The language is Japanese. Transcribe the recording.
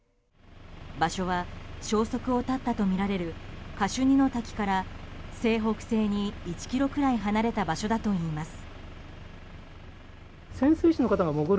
場所は、消息を絶ったとみられるカシュニの滝から西北西に１ｋｍくらい離れた場所だといいます。